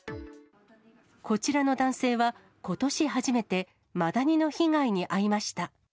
こちらの男性は、ことし初めてマダニの被害に遭いました。